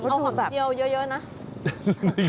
เอาหอมเจียวเยอะนะ